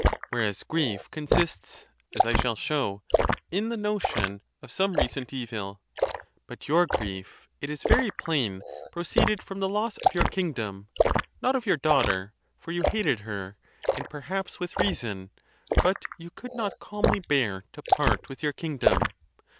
— whereas grief consists (as I shall show) in the notion of "ON GRIEF OF MIND. 103 some recent evil—but your grief, it is very plain, proceeded from the loss of your kingdom, not of your daughter, for you hated her, and perhaps with reason, but you could not calmly bear to part with your kingdom.